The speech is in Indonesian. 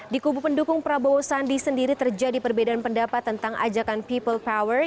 di kubu pendukung prabowo sandi sendiri terjadi perbedaan pendapat tentang ajakan people power